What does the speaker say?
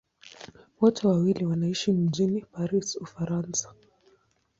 Wote wawili wanaishi mjini Paris, Ufaransa.